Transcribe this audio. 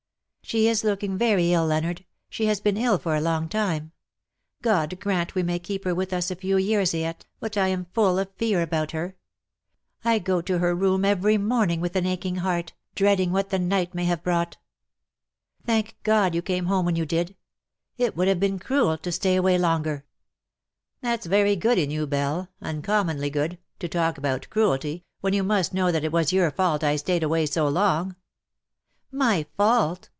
^' She is looking very ill, Leonard. She has been ill for a long time. God grant we may keep her with us a few years yet, but I am full of fear about her. I go to her room every morning with an aching heart, dreading what the night may have brought. Thank God, you came home when you did. It would have been cruel to stay away longer.'^ " LOVE WILL HAVE HIS DAY." 79 '' That's very good in you, Belle — uncommonly good — to talk about cruelty, when you must know that it was your fault I stayed away so long/' " My fault